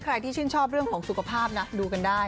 ใครที่ชื่นชอบเรื่องของสุขภาพนะดูกันได้